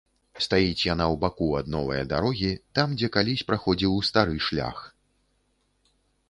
Стаіць яна ў баку ад новае дарогі, там, дзе калісь праходзіў стары шлях.